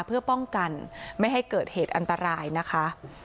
เพื่อป้องกันไม่ให้เกิดเหตุอันตรายนะคะ